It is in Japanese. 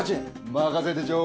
任せてちょ。